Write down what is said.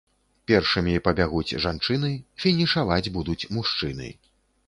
Першымі пабягуць жанчыны, фінішаваць будуць мужчыны.